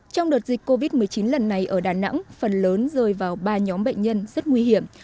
trong đợt dịch covid một mươi chín lần này ở đà nẵng phần lớn rơi vào ba nhóm bệnh nhân rất nguy hiểm